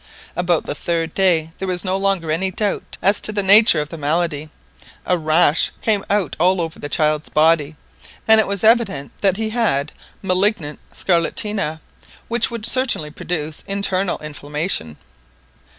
About the third day there was no longer any doubt as to the nature of the malady. A rash came out all over the child's body, and it was evident that he had malignant scarlatina, which would certainly produce internal inflammation.